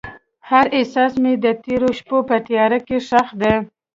هر احساس مې د تیرو شپو په تیاره کې ښخ دی.